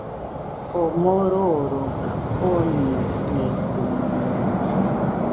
Oo moo roroga, onoñeitɨua